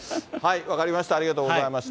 分かりました、ありがとうございました。